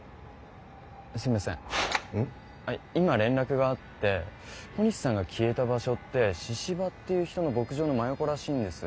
今連絡があって小西さんが消えた場所って「神々」っていう人の牧場の真横らしいんです。